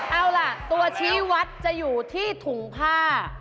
เอาล่ะตัวชี้วัดจะอยู่ที่ถุงผ้า